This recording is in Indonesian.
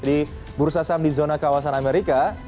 di bursa saham di zona kawasan amerika